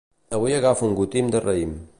Avui agafa un gotim de raïm.